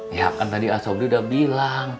ya kan tadi asobri udah bilang